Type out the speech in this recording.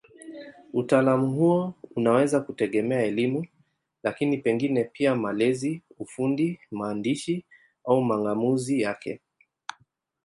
Utaalamu huo unaweza kutegemea elimu, lakini pengine pia malezi, ufundi, maandishi au mang'amuzi yake.